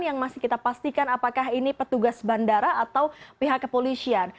yang masih kita pastikan apakah ini petugas bandara atau pihak kepolisian